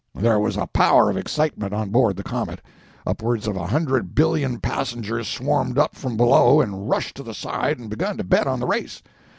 There was a power of excitement on board the comet. Upwards of a hundred billion passengers swarmed up from below and rushed to the side and begun to bet on the race.